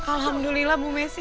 alhamdulillah bu messi